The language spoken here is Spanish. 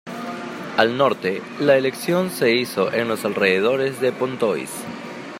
Al norte, la elección se hizo en los alrededores de Pontoise.